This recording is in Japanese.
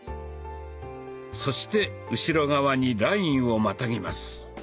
そして後ろ側にラインをまたぎます。